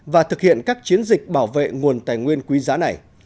và thực hiện các chiến dịch bảo vệ nguồn tài nguyên quý giá này